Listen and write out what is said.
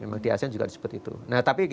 memang di asean juga disebut itu nah tapi kita